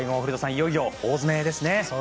いよいよ大詰めです。